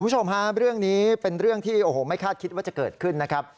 คุณผู้ชมฮะเรื่องนี้เป็นเรื่องที่โอ้โหไม่คาดคิดว่าจะเกิดขึ้นนะครับ